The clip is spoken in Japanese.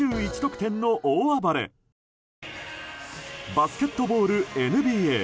バスケットボール、ＮＢＡ。